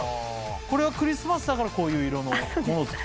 これはクリスマスだからこういう色のものを作った？